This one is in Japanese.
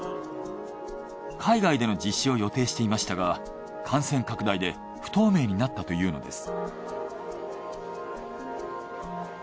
海外での実施を予定していましたが感染拡大で不透明になったというのです。